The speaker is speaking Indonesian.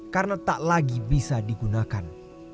karena tak lagi bisa digunakan